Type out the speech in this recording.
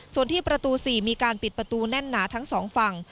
ส่วนที่ประตู๔มีการปิดประตูแน่นหนาทั้งสองฝั่ง